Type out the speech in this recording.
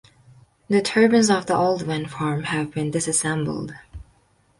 The turbines of the old wind farm have been disassembled.